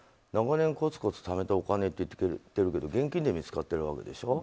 この２億は長年こつこつためたお金と言ってるけど現金で見つかってるわけでしょ。